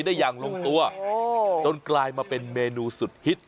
ได้อย่างลงตัวจนกลายมาเป็นเมนูสุดฮิต